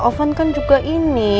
ovan kan juga ini